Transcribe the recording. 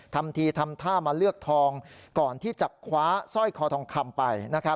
ทำทีทำท่ามาเลือกทองก่อนที่จะคว้าสร้อยคอทองคำไป